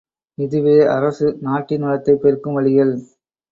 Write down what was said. இதுவே அரசு, நாட்டின் வளத்தைப் பெருக்கும் வழிகள்!